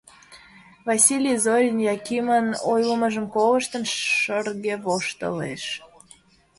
Василий Зорин, Якимын ойлымыжым колыштын, шырге воштылеш.